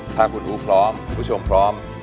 ถ้าคุณอู๋พร้อมคุณผู้ชมพร้อม